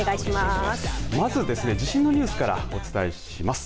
まず地震のニュースからお伝えします。